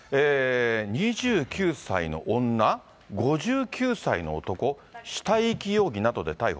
２９歳の女、５９歳の男、死体遺棄容疑などで逮捕。